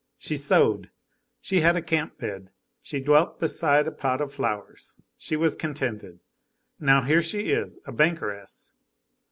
She sewed, she had a camp bed, she dwelt beside a pot of flowers, she was contented. Now here she is a bankeress.